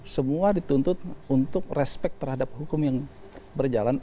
semua dituntut untuk respect terhadap hukum yang berjalan